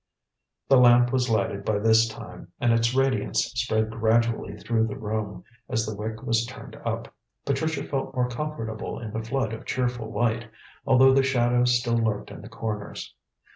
The lamp was lighted by this time, and its radiance spread gradually through the room, as the wick was turned up. Patricia felt more comfortable in the flood of cheerful light, although the shadows still lurked in the corners.